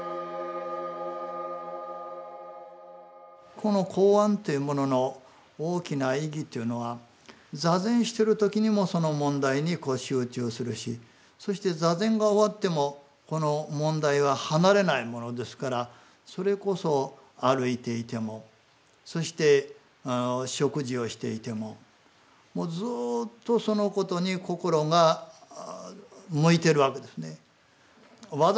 この公案というものの大きな意義というのは坐禅している時にもその問題に集中するしそして坐禅が終わってもこの問題は離れないものですからそれこそ歩いていてもそして食事をしていてももうずっとそのことに心が向いているわけですね。